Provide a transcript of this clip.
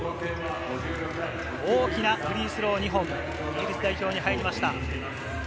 大きなフリースロー２本、イギリス代表に入りました。